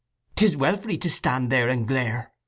"'Tis well for 'ee to stand there and glane!"